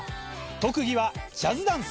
特技はジャズダンス。